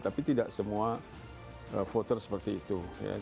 tapi tidak semua voter seperti itu